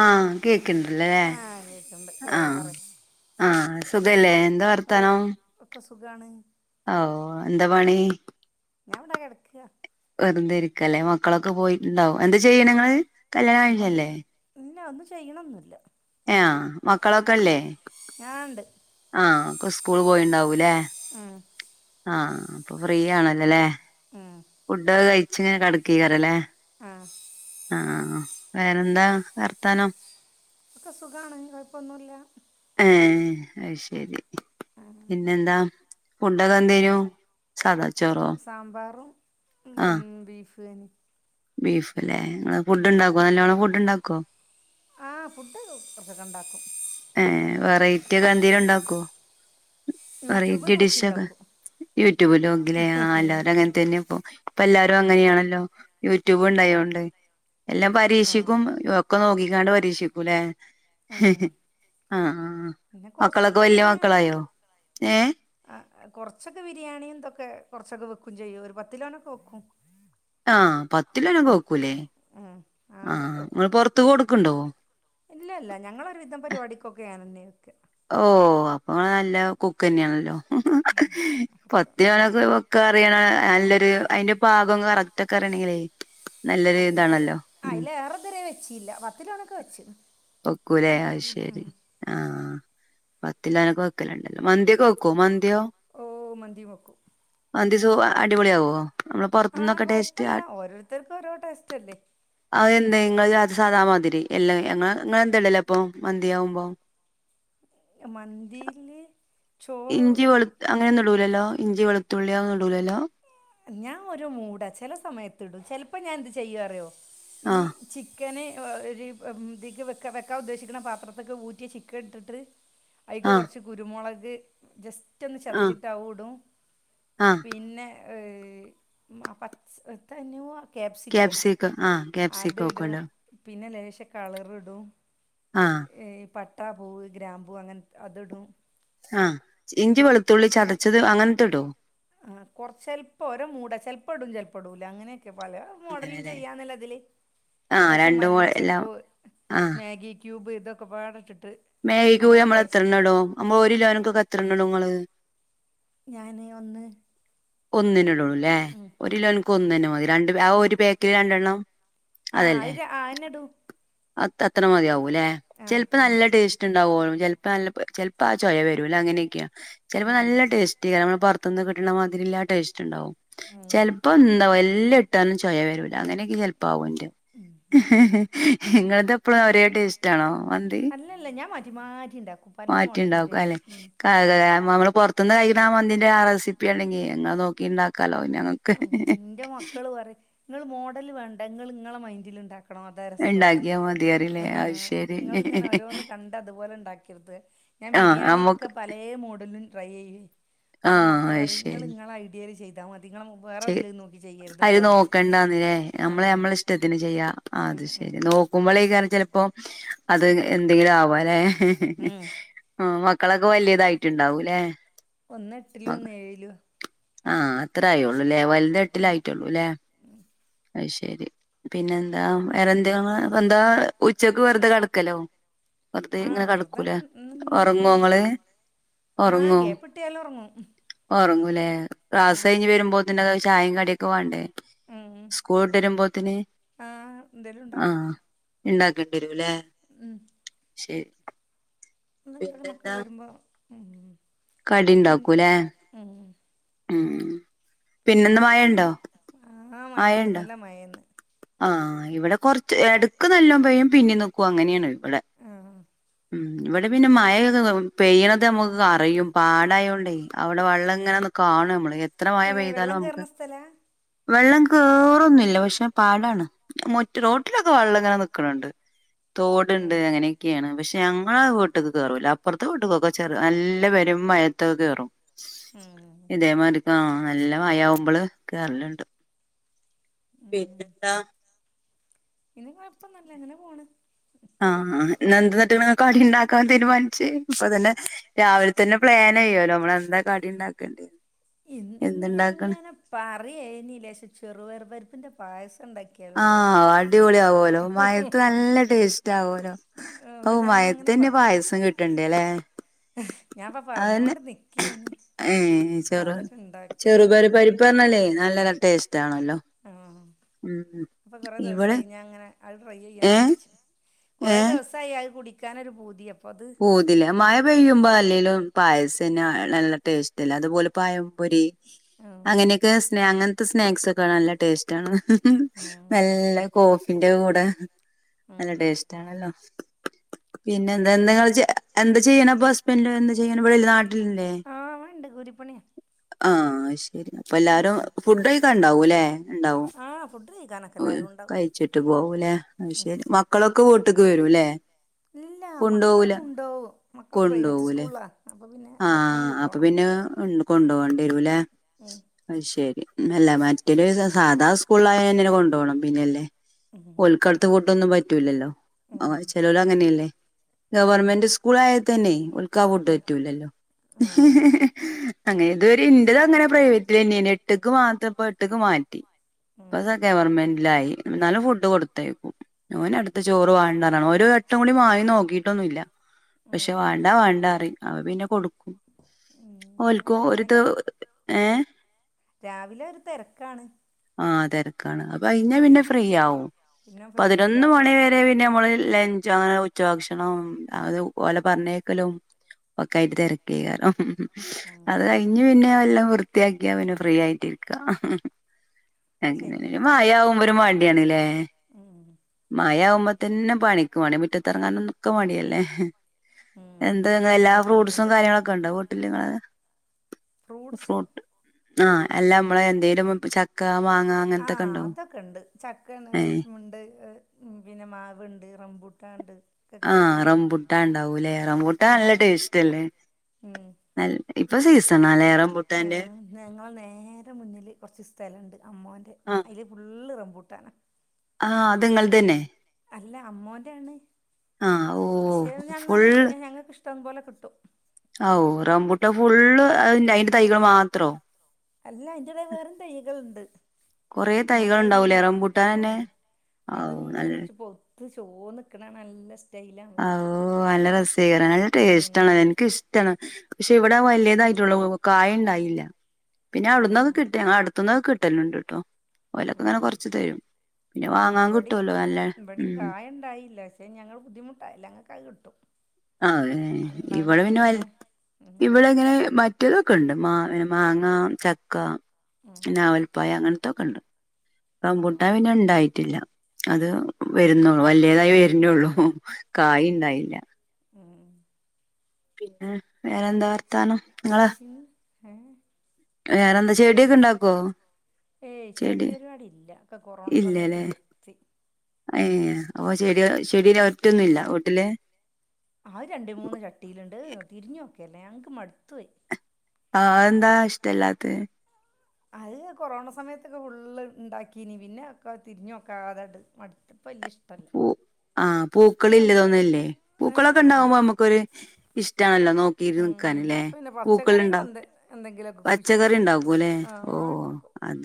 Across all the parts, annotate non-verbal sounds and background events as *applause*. ആഹ് കേക്ക്ണ്ടല്ലേ. ആഹ് കേക്ക്ണ്ട് ഏഹ് ആഹ് പറയ് ആഹ് സുഖല്ലേ? എന്താ വർത്താനം? ഒക്ക സുഖാണ്. ആഹ് ഓഹ്, എന്താ പണി? ഞാൻ ഇവിടെ കിടക്കാ വെറുതെയിരിക്കല്ലേ, മക്കളൊക്കെ പോയിട്ടുണ്ടാവും. എന്താ ചെയ്യണെ ഇങ്ങള്? കല്യാണം കഴിഞ്ഞല്ലേ *unintelligible* ഇല്ലാ ഒന്നും ചെയ്യണൊന്നുല്ല. ആഹ് മക്കളൊക്കെല്ലേ? ആഹ് ഇണ്ട്. ആഹ് അപ്പൊ സ്കൂള് പോയിണ്ടാവൂല്ലേ? ഉം ആഹ് അപ്പൊ ഫ്രീ ആണല്ലോല്ലേ? ഉം ഫുഡൊക്കെ കയിച്ചിങ്ങനെ കെടക്കെയാരിക്കല്ലേ? ആഹ് ആഹ് ആഹ് ആഹ്, വേറെന്താ വർത്താനം? ഒക്കെ സുഖാണ്. കൊഴപ്പൊന്നുല്ല. ഏഹ് അയ്ശരി, പിന്നെന്താ? ഫുഡോക്കെ എന്തേയ്നു? സാദാ ചോറോ? സാമ്പാറും ഉം ബി ബീഫുവെയ്നു. ബീഫ്ല്ലേ, നിങ്ങള് ഫുഡ്ണ്ടാക്കൊ? നല്ലോണം ഫുഡ്ണ്ടാക്കൊ? ആഹ് ഫുഡ് കൊറച്ചൊക്കെണ്ടാക്കും. ഏഹ് വെറൈറ്റിയക്ക എന്തേലും ഉണ്ടാക്കൊ? യൂട്യൂബ് വെറൈറ്റി നോക്കി ഡിഷൊക്കെ ഉണ്ടാക്കും യൂട്യൂബില് നോക്കിലേ. ആഹ് എല്ലാരും അങ്ങനെ തന്നെപ്പോ ഇപ്പ എല്ലാരും അങ്ങനെയാണല്ലോ. യൂട്യൂബ് ഉം ഉണ്ടായോണ്ട്. എല്ലാം ആഹ് പരീക്ഷിക്കും ഒക്കെ നോക്കിക്കാണ്ട് പരീക്ഷിക്കൂല്ലേ. ഉം ആഹ്, പിന്നെ മക്കളൊക്കെ കുറച്ചൊക്കെ വല്യ ബിരിയാണിയും മക്കളായോ? ഏഹ് ആഹ് കൊറച്ചൊക്കെ ബിരിയാണി എന്തൊക്കെ കൊറച്ചൊക്കെ വെക്കും ചെയ്യും ഒരു പത്ത് കിലോനൊക്കെ വെക്കും. ആഹ്, പത്ത്കിലോനൊക്കെ വെക്കൂല്ലേ? ഉം ആഹ്, നിങ്ങള് പൊറത്ത് കൊടുക്ക്‌ണ്ടോ? ഇല്ലല്ല ഞങ്ങളൊരുവിധം പരിപാടിക്കൊക്കെ ഞാൻ തന്നെ വെക്ക. ഓഹ്, അപ്പൊ നല്ല കുക്ക് തന്നേണല്ലോ. ഉം പത്ത്കിലോനക്ക വെക്കാ അറിയണ നല്ലൊരു അയിന്റെ പാകൊക്കെ കറക്റ്റ് അറിയണെങ്കിലേ നല്ലൊരു ഇതാണല്ലോ. ഉം വേറെന്ത്‌ര്? ച്ചില്ല. പത്തിലോനക്കെ വെച്ച്. വെക്കൂലേ ഞങ്ങൾ അത് ശെരി. ആഹ്, പത്തിലോനക്ക വെക്കലുണ്ടല്ലോ. മന്തിയൊക്ക വെ ക്കൊ മന്തിയോ ഓ മന്തിയും വെക്കും മന്തി സു അടിപൊളി ആകൊ? ആഹ് കൊയപ്പല്ല. ഓരോരുത്തർക്കും ഓരോ ടേസ്റ്റ്ല്ലേ. അതെന്തേ നിങ്ങള് *unintelligible* സാധാമാതിരി എല്ലാം ഞങ്ങള് നിങ്ങ എന്തെല്ല എടുമപ്പോ മന്തിയാവുമ്പോ മന്തീല് ഇഞ്ചി വെളു അങ്ങനൊന്നും ഇടുല്ലല്ലോ. ഇഞ്ചി വെളുത്തുള്ളി അതൊന്നും ഇടൂല്ലല്ലോ. ഞാൻ ഒരു മൂടാ ചെല സമയത്തിടും ചെലപ്പോ ഞാൻ എന്ത്‌ ചെയ്യാ അറിയോ ഈ ആഹ് ചിക്കന് ഒ ഒര് പം ഇതിക്ക് വെക്കാ വെക്കാൻ ഉദ്ദേശിക്ക്ണ പാത്രത്ത്ക്ക്‌ ഊറ്റിയ ചിക്കൻ ഇട്ടിട്ട് അയ്ക്ക് ആഹ് കൊർച്ച് കുരുമുളക് ജസ്റ്റ് ഒന്ന് ആഹ് ചതച്ചിട്ടാവുടും ആഹ് പിന്നെ ഏഹ് മാ പച്ച് എത്താനുവാ ക്യാപ്സിക്കോ ക്യാപ്സിക്കം ആഹ് ക്യാപ്സിക്കം അതിടും വെക്കുവല്ലോ പിന്നെ ലേശ കളറിടും ആഹ് ഏഹ് പട് ട്ടാ, പൂവ്, ഗ്രാമ്പൂ അങ്ങൻത്തെ അത് ഇടും. ആഹ് ഇഞ്ചി, വെളുത്തുള്ളി ചതച്ചത് അങ്ങൻത്തെ ഇടോ? ആഹ് കൊർച്ച് ചെൽപ്പോ ഓരോ മൂടാ ചെൽപ്പം ഇടും ചെൽപ്പം ഇടൂല അങ്ങനെക്കെ പല മോഡലും അങ്ങനെല്ലേ ചെയ്യാന്നല്ല ഇതില് ആഹ് ലേശം രണ്ടും എല്ലാം മല്ലിച്ചപ്പ്, ആഹ് മാഗി ക്യുബ് ഇതൊക്കെപ്പാടെ ഇട്ടിട്ട് മേഗിക്യുബ് നമ്മള് എത്രണ്ണം ഇടും നമ്മളെ ഒരു കിലോനക്കൊക്കെ എത്രണ്ണടും ഇങ്ങള്? ഞാന് ഒന്ന് ഒന്നിനേ ഇടുള്ളുല്ലേ ഒരു ഉം കിലോൻക്ക് ഒന്നന്നെ മതി രണ്ട് പാ ആ ഉം ഒരു പേക്കില് രണ്ടെണ്ണം ആഹ് അതല്ലേ ര അഹന്നെടും അത് അത്ര മതിയാവൂല്ലെ ആഹ് ചെൽപ്പം ആഹ് നല്ല ടേ റ്റ്ണ്ടാവള്ളു ചെൽപ്പം നല്ല പ്പ് ചെൽപ്പ ആ ചൊയ വരൂല്ല അങ്ങനെക്കെയാ ചെൽപ്പോ നല്ല ടേസ്റ്റ്ക്കാരം നമ്മളെ പൊർ ത്ത്ന്ന് കിട്ട്ണ മാതിരില്ല ആഹ് ടേസ്റ്റ് ഇണ്ടാവും ഉം ചെൽപ്പം എന്താവും എല്ലം ഇ ഇട്ടാന്നും ചൊയ വരൂല അങ്ങനെക്കെ ചെൽപ്പം ആകും ഇന്റെ ഉം ഇങ്ങൾതെ ഇപ്പളും ആഹ് ഒര് ടേസ്റ്റാണോ മന്തി അല്ലല്ല ഞാൻ മാറ്റി മാറ്റി ഉണ്ടാക്കും പല മോഡലും മാറ്റിണ്ടാകും ചെയ്യും അല്ലെ? ഉം. അതെ ആഹ് നമ്മ നമ്മള് പൊറത്ത്ന്ന് കഴിക്ക്ണാ ആഹ് മന്തിന്റെ ആഹ് റെസിപ്പി ഇണ്ടെങ്കി ഇങ്ങള് നോക്കി ഇണ്ടാക്കാല്ലോ പിന്നെ ഞങ്ങ ഇന്റെ മക്കള് പറയും ഇങ്ങള് മോഡല് വേണ്ട ഇങ്ങള് ഇങ്ങളെ മൈൻഡിൽ ഇണ്ടാ ക്കണോ അതാ രസോ പറയും ഇണ്ടാക്കിയാ മതിയറില്ലേ അത് ശരി ഇങ്ങള് ഇങ്ങനെ ഓരോന്ന് കണ്ട് അതുപോലെ ഇണ്ടാക്കിരുത്. ഞാൻ ആഹ് നമ്മക്ക് ബിരിയാണിയക്കെ പലേ മോഡലും ട്രൈയ്യെയ്യ് അപ്പം ആഹ് മക്കളറിയും ഇങ്ങള് ഇങ്ങളെ ഐഡിയേൽ ചെയ്താ മതി ഇങ്ങളെ *unintelligible* ച്ചെഹ് അയില് നോക്കണ്ടാന്നില്ലേ ആ നമ്മളെ നമ്മള് ഇഷ്ടത്തിന് ചെയ്യാം അത് ഉം ഉം ശരി നോ നോക്കുമ്പളേക്കാരം ചെലപ്പോ അത് എന്തെങ്കിലും ആവ്വാല്ലെ. ഉം. ആഹ് മക്കളൊക്കെ വലിയതായിട്ട് ഇണ്ടാവൂല്ലെ? ഒന്ന് എട്ടിലും ഒന്ന് ഏഴിലും ആഹ് അത്ര ആയുള്ളുല്ലേ വലുത് എട്ടിലായിട്ടുള്ളുല്ലേ അത് ശെരി. പിന്നെന്താ വേറെന്തെ *unintelligible* എന്താ ഉച്ചക്ക് വെറുതെ കെടക്കലോ? വെറുതെ ആ ഇങ്ങനെ വെറുതെ കെടക്കൂലേ ഇങ്ങ- ഒറങ്ങോ ഇങ്ങള്? ആഹ് ഗ്യാപ്പിട്ടിയാല് ഒറങ്ങും ഉം ഒറങ്ങൂലേ ക്ലാസ്സ്‌ കഴിഞ്ഞ് വരുമ്പോത്ത്നഹ് ചായയും കടിയൊക്കെ വാണ്ടേ? ഉം ഉം സ്കൂള് വിട്ട് വരുമ്പോത്തിന് ആഹ് എന്തേലും ഉണ്ടാക്കും ആഹ് ഇണ്ടാക്കേണ്ടി വരുല്ലേ? ഉം ശരി നിങ്ങളെ മക്കള് വരുമ്പോ ഉം ഉം കടിണ്ടാക്കുലേ? ഉം ഉം ഉം പിന്നെ പിന്നെന്താ മഴണ്ടോ കൊഴപ്പൊന്നുല്ല ആഹ് മഴയ്ണ്ട് മഴണ്ടോ നല്ല മഴന്നെ. ആഹ് ഇവിടെ കൊർച്ച് എടക്ക് നല്ലോ പെയ്യും പിന്നെ നിക്കും അങ്ങനെയാണ്. ഇവിടെ ആഹ് ഇവിടെ പിന്നെ മയയൊക്കെ പെയ്യണത് നമുക്ക് അറിയും പാടായോണ്ടേ അവിടെ വെള്ളം എങ്ങനെ കാണും ഞമ്മള് എത്ര മയ ഏഹ് പെയ്താലും വെള്ളം നമുക്ക് കേറുന്ന സ്ഥലാ വെള്ളം കേറൊന്നുമില്ല പക്ഷെ പാടാണ് മുറ്റം റോട്ടിലൊക്കെ വെള്ളം ഇങ്ങനെ നിക്കണണ്ട് തോടുണ്ട് ഉം അങ്ങനെ യൊക്കെയാണ് പക്ഷെ ഞങ്ങളെ വീട്ട്ക്ക് കേറൂല അപ്പുറത്തെ വീട്ട്ക്കൊക്കെ കേറും നല്ല പെരും മയത്തൊക്കെ കേറും മ്മ് അതെമാരിപ്പം നല്ല മയ്യാവുമ്പോള് കേറലുണ്ട് പിന്നെന്താ ഇന്ന് കൊയപ്പൊന്നുല്ല അങ്ങനെ പോണ് ആഹ് ആഹ് ഇന്ന് എന്ന്ട്ട് കടിണ്ടാക്കാൻ തീരുമാനിച്ച് ഇപ്പൊ തന്നെ രാവിലെ തന്നെ പ്ലാനായി നമ്മള് എന്താ കടി ഉണ്ടാക്കേണ്ട ഇന്ന് അങ്ങനെ പറയേനില്ലേ ലേശം ചെറുപയറു പരിപ്പിന്റെ പായസം ഉണ്ടാക്കി ആ അടിപൊളി ആവൂല്ലോ മയേത്ത് നല്ല ടേസ്റ്റ് ആവൂലോ അപ്പൊ ഓഹ് ഞാനങ്ങനെ മയേത്തന്നെ പറ പായസം കിട്ടണ്ടേ അല്ലേ ഞാൻപ്പ അതെന്നെ പറഞ്ഞോണ്ട് നിക്കേനി ഏഹ് ചെറു അതൊക്കെ ഇണ്ടാക്കിയാലോ ചെറുപയറ്പരി പ്പല്ലേ നല്ല ടേസ്റ്റ് ആണല്ലോ ആഹ് ഉം ഇപ്പൊ കൊറെ ഇവിടെ ദിവസായി ഞാൻ അങ്ങനെ അത് ട്രൈ ചെയ്യണം ഏ വിചാരിച്ച് ഏ കുറേ ദിവസം ആയി അത് കുടിക്കാനൊരു പൂതി അപ്പം അത് പൂതില്ല മഴ പെയ്യുമ്പോ അല്ലെലും പായസന്നെ നല്ല ടേസ്റ്റ് അല്ലേ അതുപോലെ പയം പൊരി ഉം അങ്ങനെയൊക്കെ സ് അങ്ങനത്തെ സ്നാക്സ് ഒക്കെ നല്ല ടേസ്റ്റ് ആണ് ഉം നല്ലെ കോഫിന്റെ കൂടെ നല്ല ഉം ടേസ്റ്റ് ആണല്ലോ ന്തെ എന്തേലും നിങ്ങൾ ചെയ്യണേ എന്ത് ചെയ്യണേ അപ്പൊ ഹസ്ബെന്റോ എന്ത് ചെയ്യണെ ഇവിടില്ലേ നാട്ടിലില്ലേ ആഹ് ഇണ്ട് കൂലിപ്പണിയാ ട്ടിലില്ലേ ആ ഐശെരി അപ്പോല്ലാരും ആഹ് ഫുഡ്‌ കയി ണ്ടാവുംല്ലേ ആഹ് ഫുഡ് കഴിക്കാനൊക്കെ എല്ലാരും ഉണ്ടാവും കഴിച്ചിട്ട് പോവൂല്ലേ അത് ഉം ശരി മക്കളൊക്കെ വീട്ടിക്ക് വരൂല്ലേ ഇല്ല മക്കള് കൊണ്ടുപോവൂല കൊണ്ടോവും മക്കള് പ്രൈവറ്റ് സ്കൂളിലാ അപ്പൊ പിന്നെ ഭക്ഷണം ആഹ് അപ്പൊ പിന്നെ കൊണ്ടുപോകേണ്ടിവരുല്ലേ ഏഹ് അയ് ശെരി നല്ല മറ്റൊരു സാധാ സ്കൂളായന്നെ കൊണ്ടുപോണം പിന്നെല്ലേ ഏഹ് കറുത്ത കോട്ടൊന്നും പറ്റൂലല്ലോ ചെലോല് അങ്ങനെല്ലേ ഉം ഗവൺമെന്റ് സ്കൂളായാൽ തന്നെ ഓൽക്കാ കൂട്ട് പറ്റൂലല്ലോ ആഹ് അങ്ങനെ ഇത് ഇൻ്റത് അങ്ങനെ പ്രൈവറ്റില് തന്നെയാന്നു എട്ട്ക്ക് മാത്രംപ്പോ എട്ട്ക്ക് മാറ്റി ആഹ് ഉം ഇപ്പതാ ഗവർമെന്റിലായി എന്നാലും ഫുഡ് കൊടുത്തേക്കും ഓന് ആടുത്തെ ചോറ് വാണ്ടന്ന് ഒരു വട്ടം കൂടി മാങ്ങി നോക്കിട്ടൊന്നുംല്ല പക്ഷെ ഉം വാണ്ടാ വാണ്ടാ പറീം അപ്പം പിന്നെ കൊടുക്കും ഉം ഓൽക്കും ഞാനൊണ്ട് വേഗം ഓരുത് ര- ഏഹ് രാവിലെ ഒരു തെരക്കാണ് ആഹ് തെരക്കാണ് അത് കയിഞ്ഞാ ഉം പിന്നെ ഫ്രീ ആവും പിന്നെ ഫ്രീയാവും പതിനൊന്ന് രാവിലെ മണി കൊറച്ച് വരെ പിന്നെ നമ്മള് ലെ അങ്ങനെ ഉച്ചഭക്ഷണവും അത് ഓലെ പറഞ്ഞയക്കലും ഒക്കെ ആയിട്ട് തിരക്കാവും ഉം അത് കഴി ഞ്ഞ് പിന്നെ എല്ലാം വൃത്തിയാക്കിയ പിന്നെ ഫ്രീ ആയിട്ടിരിക്ക ഒക്കെ എങ്ങനെ ശരിയാണ് മയയാകുമ്പോരു മടിയാണ് ലേ ഉം മയ ആകുമ്പോ തന്നെ പണിക്കുവാണ് മുറ്റത്തിറങ്ങാനക്കെ മടിയല്ലേ ഉം എന്ത് ഇങ്ങ എല്ലാ ഫ്രൂട്ട്സും ചീഞ്ഞോണ്ട്ക്കും കാര്യങ്ങളൊക്കെണ്ടൊ വീട്ടില് നിങ്ങളെ. ഫ്രൂട്സോ ഫ്രൂട്ട് ആഹ് അല്ല നമ്മളെ എന്തെലും ചക്ക മാങ്ങ അങ്ങനത്തൊക്കെണ്ടോ. ചക്കണ് ഉണ്ട് പിന്നെ മാവുണ്ട് റമ്പൂട്ടാൻ ണ്ട്. ആഹ് റംബൂട്ടാൻ ണ്ടാവൂലേ റംബൂട്ടാൻ ഉം നല്ല ടേസ്റ്റ് അല്ലേ. ഉം ഇപ്പൊ സീസണാലേ റമ്പു ഞങ്ങളെ നേരെ മുന്നില് കൊർച് സ് സ്ഥലണ്ട് അമ്മോന്റെ ആഹ് അതില് ഫുള്ള് റംമ്പൂട്ടാന. ആഹ് അത്ങ്ങൾതന്നെ. അല്ല അമ്മോന്റാണ് ആഹ് പക്ഷെ ഓഹ് ഞാൻ എന്നാലും ഞങ്ങൾക്ക് ഇഷ്ടം പോലെ കിട്ടും. ഓഹ് റംമ്പുട്ടാൻ ഫുള്ള് അയിന്റെ തൈകള് മാത്രോ? അല്ല അയിന്റെടെ വേറും തൈകളുണ്ട് കൊറേ തൈകൾ ന്നാലും ഉണ്ടാവൂലേ റംബുട്ടാൻ തന്നെ ആഹ് ഔ നല്ല അത്ങ്ങനെ പഴുത്ത് ചോന്ന്ക്കണ കാണാ നല്ല സ് ഓഹ് നല്ല രസേക്കാരം നല്ല ടേസ്റ്റ് ഉം ആണ് എനിക്കിഷ് ടാണ് പക്ഷെ ഇവിടെ വലിയതായിട്ടുള്ളൂ. കായ ഉണ്ടായില്ല പിന്നെ അവിടുുന്നത് ആഹ് കിട്ട് ഞങ്ങളെ അടുത്തുന്നൊക്കെ കിട്ടല്ണ്ട്ട്ടോ. ഓലൊക്കെങ്ങനെ ആഹ് കൊറച്ച് തരും പിന്നെ വാങ്ങാൻ കിട്ടുവല്ലോ നല്ല ഉം എന്തായില്ല. പക്ഷെ ഞങ്ങൾ ബുദ്ധിമുട്ടായില്ല ഞങ്ങൾകത് കിട്ടും. അതെ ഇവിടെ ഉണ്ടാവണൊക്കെ പിന്നെ ഇങ്ങനെ ഉം ഇവിടെ ഇങ്ങനെ മ റ്റതൊക്കെ ഉണ്ട് മാ മാങ്ങ ചക്ക ഉം പിന്നെ ഞാവൽപ്പഴം അങ്ങനത്തൊക്കെണ്ട്. ഉം റമ്പുട്ടാൻ പിന്നെ ണ്ടായിട്ടില്ല. അത് വരുന്നുള്ളു വല്ല്യതായി വരുന്നുള്ളൂ കായണ്ടായില്ല. ഉം പിന്നെ വേറെന്താ വർത്താനം ഇങ്ങളെ. ഉം ഏഹ് വേറെന്താ ചെടിയൊക്കെണ്ടാക്കോ? ഏയ് ചെടി പരിപാടില്ല. ഒക്കെ കൊറോണ സമയത്ത് ഇല്ലല്ലേ നിർത്തി. ഏഹ് അപ്പൊ ചെടി ചെടി ഒറ്റൊന്നുല്ല വീട്ടില്. അത് രണ്ട് മൂന്ന് ചട്ടിയിലുണ്ട് തിരിഞ്ഞു നോക്കെല്ല ഞങ്ങൾക്ക് മടുത്ത് പോയി. ആഹ് എന്താ ഇഷ്ടെല്ലാത്തെ. അത് കൊറോണ സമയത്തൊക്കെ ഫുള്ള് ഉണ്ടാക്കീനി പിന്നെ തിരിഞ്ഞോക്കാതെണ്ട് മട്ത്ത്. ഇപ്പല്ല്യ ഇഷ്ടല്ല. പൂ ആഹ് പൂക്കള് ഇല്ലതോന്നില്ലേ. ഏ പൂക്കളൊക്കെണ്ടാവുമ്പോ നമ്മക്കൊരു ഇഷ്ടാണല്ലോ നോക്കി ഇപ്പം നിക്കാനല്ലേ പിന്നെ പച്ചക്കറികൾ പൂക്കള്ണ്ടാ എന്ത് എന്തെങ്കിലുമൊക്കെ കുഴിച്ചിടും പച്ചക്കറിണ്ടാകൂലേ ആ അത് ഓഹ് ഉണ്ടാക്കും അത്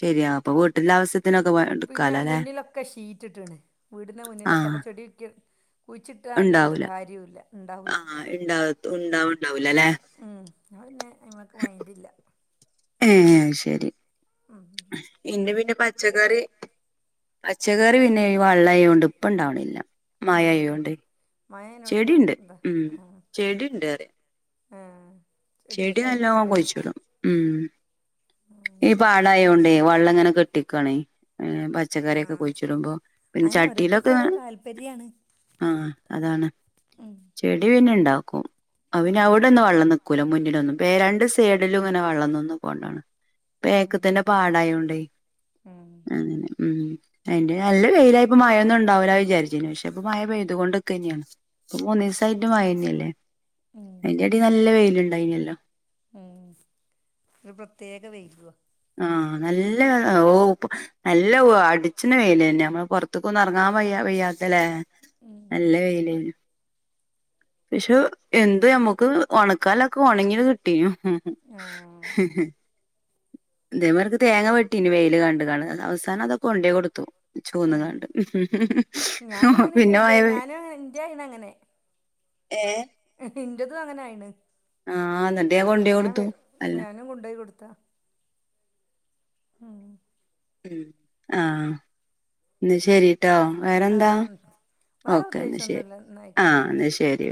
ശരിയാ അപ്പൊ വീട്ടിലാ പിന്നെ മുന്നിലൊക്കെ ഷീറ്റിട്ട്ണ് വീടിൻ്റെ മുന്നിലൊക്കെ ആഹ് അപ്പോ ചെടി കുഴിച്ചിട്ടാ അതിനൊട്ട് ഉണ്ടാവൂല കാര്യവുല്ല ആഹ് ഇണ്ടാവത്തു ഉണ്ടാവുണ്ടാവൂലലേ ഉം ഞാൻ പിന്നെ അയ്മക്ക് മയ്ന്റില്ല ഏഹ് ശരി അങ്ങനെ ഇന്റെ പിന്നെ പച്ചക്കറി പച്ചക്കറി പിന്നെ വള്ളായോണ്ടിപ്പണ്ടാവ്ണില്ല ഉം മഴായോണ്ടേ മഴ എന്നോട് മ- ചെടിണ്ട് എന്താ ഉം ചെടിണ്ട് പറയ ആഹ് ചെടി നല്ലോം കുയ്ച്ച്ടും ഹ്മ്മ്, ഈ പാടായോണ്ടേ വള്ളം ഇങ്ങനെ കെട്ടിക്കണേ ഏഹ് പ ച്ചക്കറിയൊക്കെ ആഹ് കുഴ്ച്ച്ട്മ്പം പിന്നെ അങ്ങനെ ചട്ടിയിലൊക്കെ ഓരോരുത്തർക്കും ഓരോ താല്പര്യാണ് ആഹ് അതാണ് ഉം ചെടി പിന്നെ ഇണ്ടാക്കും അത് പിന്നെ ഉം അതോ ടൊന്നും വള്ളം നിക്കൂല മുന്നിലൊന്നും പെ രണ്ട് സൈഡിലും ഇങ്ങനെ വള്ളം നിന്ന്കോണ്ടാണ് ക്ക് ഉം തന്നെ പാടായോണ്ടേ ഉം അങ്ങനെ ഹ്മ്മ് അതിന്റെ നല്ല വെയിലായപ്പൊ മഴൊന്നും ഇണ്ടാവൂല വിചാരിച്ചീനു പക്ഷെ ഇപ്പം മഴ പെയ്തു കൊണ്ട്ക്കെന്നെയാണ് ഇപ്പം മൂന്നീസായിട്ട് മഴന്നല്ലേ ഉം അയ്ന്റെടീ നല്ല വെയില്ണ്ടായ്നല്ലോ ഹ്മ്മ് ഒര് പ്രത്യേക വെയ്ലുവാ ആഹ് നല്ല ഓഹ് ഇപ്പ നല്ല പഓഹ് അടിച്ച്ണ വെയ്ലെന്നെ നമ്മള് പൊർത്ത്ക്കൊന്നും എറങ്ങാൻ വയ്യ വയ്യാത്തല്ലെ ഹ്മ്മ് നല്ല വെയ്ലേനു പക്ഷെ എന്ത് നമ്മുക്ക് ഒണക്കാല്ലൊക്കെ ഒണങ്ങിയങ്ങ് കിട്ടി ആഹ് ഇതേമാതിരിക്ക് തേങ്ങ വെട്ടീനു വെയില് കണ്ട്കാണ്ട് അവസാനം അതൊക്കെ കൊണ്ടേ കൊടുത്തു ആഹ് ചോന്ന്കാണ്ട്, ഞാനും അങ്ങനെ പിന്നെ ചെയ്തേ മഴപെയ് ഞാനും ഇന്റെ ഏഹ് ഇന്റെതും അങ്ങനെ ആയിണ്. ആഹ് ഇന്നട്ട് ഞാൻ കൊണ്ടേ കൊട്ത്തു അല്ല വേം കൊണ്ടോയ് കൊട്ത്താ ഹ്മ്മ് ഹ്മ്മ് ആഹ് ഇന്നാ ശെരി ട്ടോ, വേറെന്താ ആഹ് വേറെ ഓക്കെ ഇന്നാ ശെരി ഉദ്ദേശൊന്നുല്ല ന്നാ ആയിക്കോട്ടെ ആഹ് ന്നാ ഇന്നാ ശരി ശെരി